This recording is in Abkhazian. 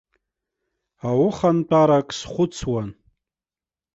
Аухантәарак схәыцуан.